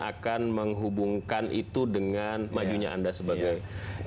akan menghubungkan itu dengan majunya anda sebagainya ya saya pikir itu kalau itu menjadi